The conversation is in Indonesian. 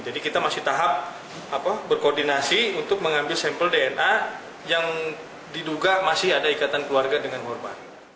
jadi kita masih tahap berkoordinasi untuk mengambil sampel dna yang diduga masih ada ikatan keluarga dengan korban